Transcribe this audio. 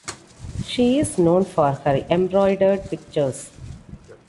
She is known for her embroidered pictures.